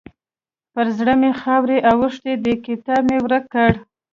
پر زړه مې خاورې اوښتې دي؛ کتاب مې ورک کړ.